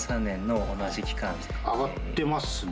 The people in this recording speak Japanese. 上がってますね。